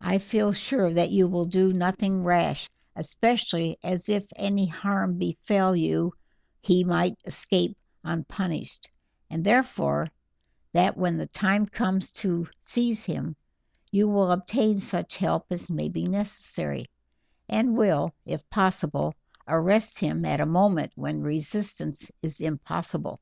I feel sure that you will do nothing rash, especially as if any harm befell you he might escape unpunished, and therefore that when the time comes to seize him you will obtain such help as may be necessary, and will, if possible, arrest him at a moment when resistance is impossible."